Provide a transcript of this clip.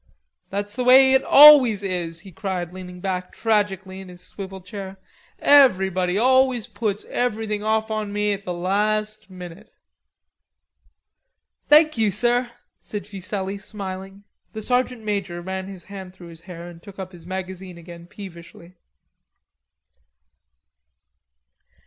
That's the way it always is," he cried, leaning back tragically in his swivel chair. "Everybody always puts everything off on me at the last minute." "Thank you, sir," said Fuselli, smiling. The sergeant major ran his hand through his hair and took up his magazine again peevishly.